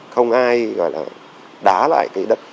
không ai gọi là đá lại cái đất